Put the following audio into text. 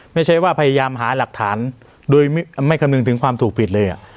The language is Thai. ไม่ใช่ว่าพยายามหาหลักฐานโดยไม่คำนึงถึงความถูกผิดเลย